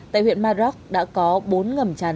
tại huyện madrak đã có bốn ngầm tràn